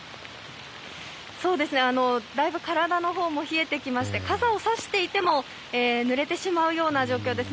だいぶ体のほうも冷えてきまして傘をさしていても濡れてしまうような状況です。